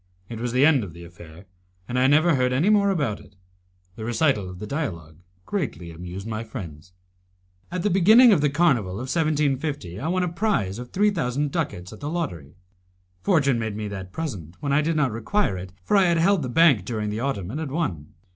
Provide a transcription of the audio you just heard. It was the end of the affair, and I never heard any more about it. The recital of the dialogue greatly amused my friends. At the beginning of the Carnival of 1750 I won a prize of three thousand ducats at the lottery. Fortune made me that present when I did not require it, for I had held the bank during the autumn, and had won.